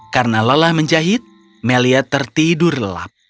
karena lelah menjahit meliad tertidur lelap